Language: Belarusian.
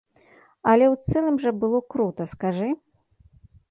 Але ў цэлым жа было крута, скажы?